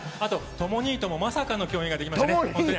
とも兄ともまさかの共演ができました。